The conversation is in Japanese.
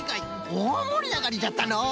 おおもりあがりじゃったのう！